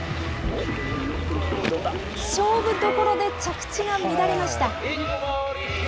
勝負どころで着地が乱れました。